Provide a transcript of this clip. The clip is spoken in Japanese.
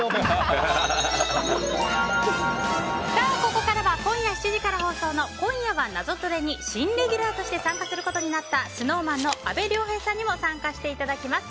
ここからは今夜７時から放送の「今夜はナゾトレ」に新レギュラーとして参加することになったＳｎｏｗＭａｎの阿部亮平さんにも参加していただきます。